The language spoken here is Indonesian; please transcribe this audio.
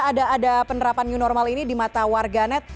ada ada penerapan new normal ini di mata warga net